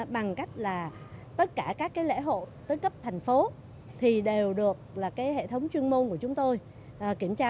bằng cách là tất cả các lễ hội tới cấp thành phố thì đều được hệ thống chuyên môn của chúng tôi kiểm tra